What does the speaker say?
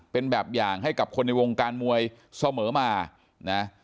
เป็นแบบอย่างให้กับคนในวงการมวยเสมอมานะ